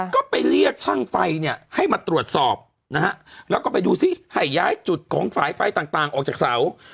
ก็ไปเรียกช่างไฟเนี่ยให้มาตรวจสอบนะฮะแล้วก็ไปดูซิให้ย้ายจุดของสายไฟต่างออกจากเสา